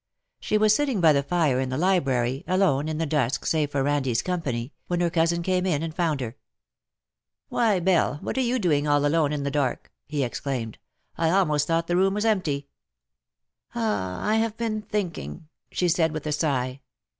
She was sitting by the fire in the library, alone in the dusk save for Handlers company, when her cousin came in and found her. '^ Why, Belle, what are you doing all alone in the dark ?'^ he exclaimed. '' I almost thought the room was empty/^ '^ I have been thinking,^ ' she said, with a sigh.